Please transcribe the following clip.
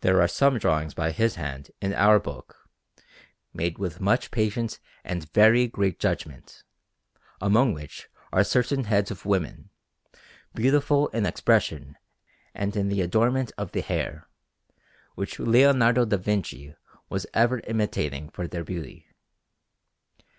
There are some drawings by his hand in our book, made with much patience and very great judgment, among which are certain heads of women, beautiful in expression and in the adornment of the hair, which Leonardo da Vinci was ever imitating for their beauty.